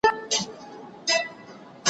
او لا ګورم چي ترټلی د بادار یم